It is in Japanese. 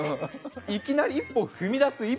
いきなり一歩踏み出す。